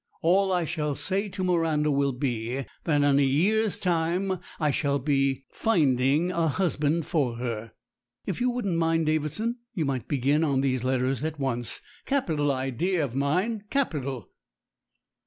All I shall say to Miranda will be that in a year's time I shall be rinding a husband for her. If you wouldn't mind, Davidson, you might begin on these letters at once. Capital idea of mine! Capital!"